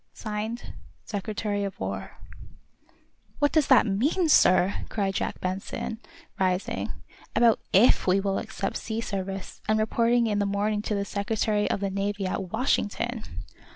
(Signed) "Secretary of War."_ "What does that mean, sir," cried Jack Benson, rising, "about if we will accept sea service, and reporting in the morning to the Secretary of the Navy at Washington?"